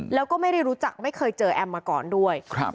แล้วก็ไม่ได้รู้จักไม่เคยเจอแอมมาก่อนด้วย